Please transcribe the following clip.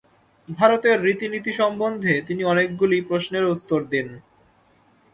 ভারতের রীতি-নীতি সম্বন্ধে তিনি অনেকগুলি প্রশ্নেরও উত্তর দেন।